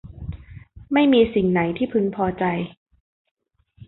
ไม่มีสิ่งไหนที่พึงพอใจ